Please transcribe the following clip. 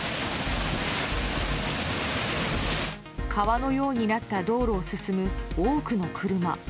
川のようになった道路を進む多くの車。